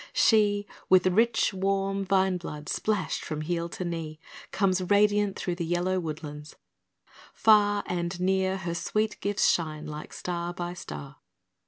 She, With rich warm vine blood splashed from heel to knee, Comes radiant through the yellow woodlands. Far And near her sweet gifts shine like star by star.